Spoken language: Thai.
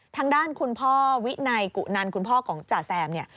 ทางด้านคุณพ่อวินัยกุนันคุณพ่อของจ่าแซมเนี่ย